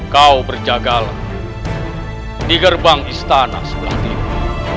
kau berjagalah di gerbang istana sebelah kiri